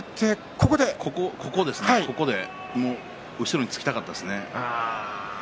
ここで後ろにつきたかったですね。